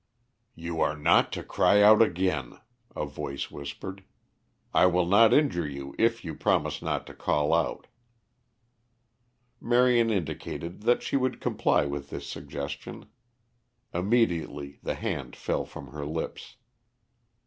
"You are not to cry out again," a voice whispered. "I will not injure you if you promise not to call out." Marion indicated that she would comply with this suggestion. Immediately the hand fell from her lips.